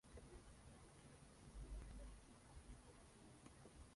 El antiguo monasterio fue destinado a equipamiento público.